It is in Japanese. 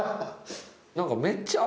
何か。